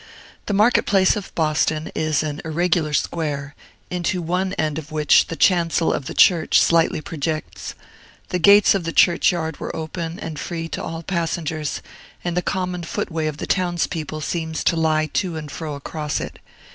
The market place of Boston is an irregular square, into one end of which the chancel of the church slightly projects. The gates of the churchyard were open and free to all passengers, and the common footway of the townspeople seems to lie to and fro across it.